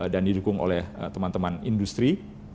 dan didukung oleh teman teman industri